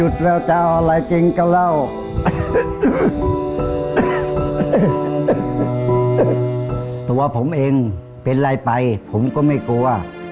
ตัวผมเองเป็นไรไปผมก็ไม่กลัว